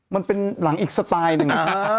มันเป็นหลังอีกสไตล์หนึ่ง